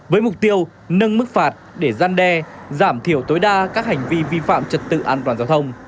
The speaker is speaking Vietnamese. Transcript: với mục tiêu nâng mức phạt để gian đe giảm thiểu tối đa các hành vi vi phạm trật tự an toàn giao thông